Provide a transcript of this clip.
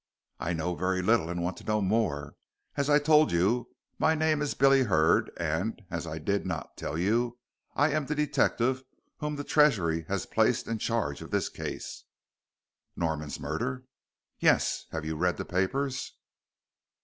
"I know very little and want to know more. As I told you, my name is Billy Hurd, and, as I did not tell you, I am the detective whom the Treasury has placed in charge of this case." "Norman's murder?" "Yes! Have you read the papers?"